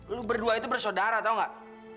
lo berdua itu bersaudara tau gak